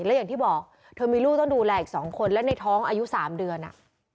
และอย่างที่บอกเธอมีลูกต้องดูแลอีก๒คนและในท้องอายุ๓เดือนอ่ะ